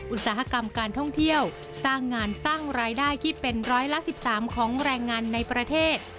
อุตสาหกรรมการท่องเที่ยวสร้างงานสร้างรายได้ที่เป็นร้อยละ๑๓ของแรงงานในประเทศ